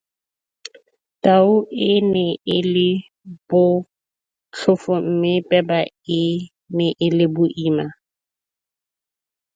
Tau e ne e le botlhofo mme peba e ne e le boima.